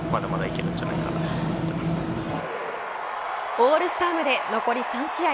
オールスターまで残り３試合。